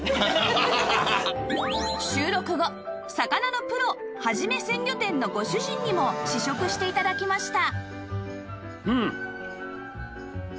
収録後魚のプロはじめ鮮魚店のご主人にも試食して頂きました